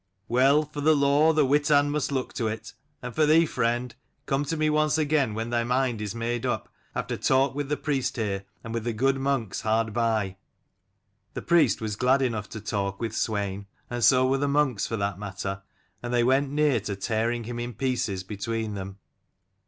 " Well, for the law the Witan must look to it : and for thee, friend, come to me once again 59 when thy mind is made up, after talk with the priest here, and with the good monks hard by." The priest was glad enough to talk with Swein, and so were the monks, for that matter; and they went near to tearing him in pieces between them.